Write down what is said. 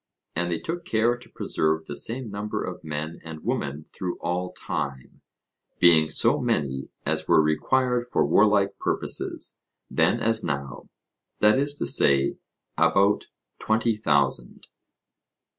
And they took care to preserve the same number of men and women through all time, being so many as were required for warlike purposes, then as now that is to say, about twenty thousand.